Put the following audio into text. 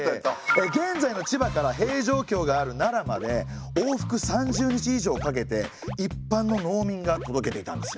現在の千葉から平城京がある奈良まで往復３０日以上かけていっぱんの農民が届けていたんですね。